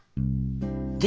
で？